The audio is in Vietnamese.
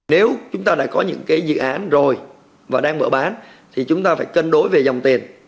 nếu chúng ta lại có những cái dự án rồi và đang mở bán thì chúng ta phải cân đối về dòng tiền